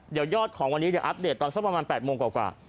เดี๋ยวยอดของวันนี้เดี๋ยวอัปเดตตอนสักประมาณ๘โมงกว่า